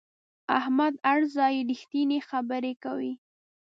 احمد هر ځای رښتینې خبره کوي.